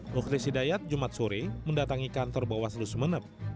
mukhlis hidayat jumat sore mendatangi kantor bawaslu sumeneb